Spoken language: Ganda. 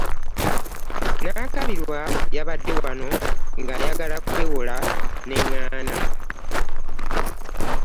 Nankabirwa yabadde wano ng'ayagala kwewola ne ŋŋaana.